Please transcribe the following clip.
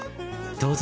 どうぞ。